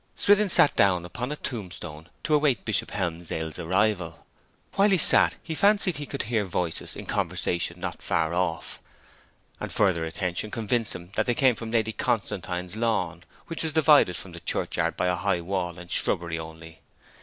Swithin sat down upon a tombstone to await Bishop Helmsdale's arrival. While he sat he fancied he could hear voices in conversation not far off, and further attention convinced him that they came from Lady Constantine's lawn, which was divided from the churchyard by a high wall and shrubbery only.